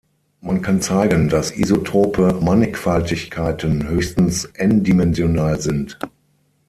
Man kann zeigen, dass isotrope Mannigfaltigkeiten höchstens n-dimensional sind.